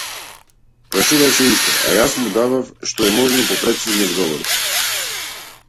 Прашуваше уште, а јас му давав што е можно попрецизни одговори.